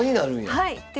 はい。